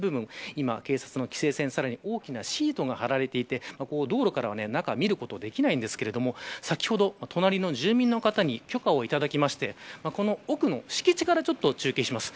今、警察の規制線、さらに大きなシートが張られていて道路からは中を見ることができないんですが先ほど、隣の住民の方に許可をいただきましてこの奥の敷地から中継します。